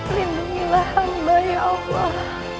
lindungilah hamba ya allah